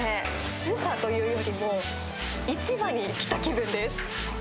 スーパーというよりも、もう、市場に来た気分です。